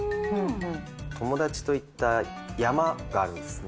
友達と行った山があるんですね。